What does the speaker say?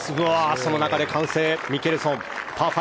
その中で歓声、ミケルソン。